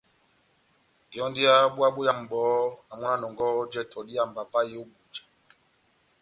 Yɔ́ndi yá búwa boyamu bɔhɔ́, na mɔ́ na nɔngɔhɔ jɛtɛ dá ihámba vahe ó Ebunja.